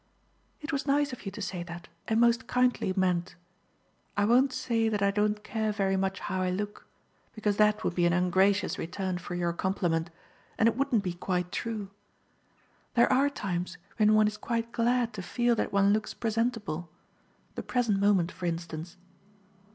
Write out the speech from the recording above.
"It was nice of you to say that, and most kindly meant. I won't say that I don't care very much how I look, because that would be an ungracious return for your compliment and it wouldn't be quite true. There are times when one is quite glad to feel that one looks presentable; the present moment, for instance."